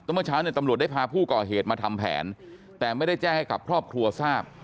เมื่อเช้าเนี่ยตำรวจได้พาผู้ก่อเหตุมาทำแผนแต่ไม่ได้แจ้งให้กับครอบครัวทราบ